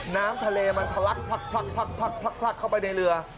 น้ำทะเลมันทะลักพลักเข้าไปในเรือ